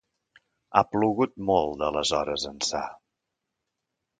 Ha plogut molt d’aleshores ençà.